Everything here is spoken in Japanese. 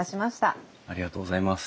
ありがとうございます。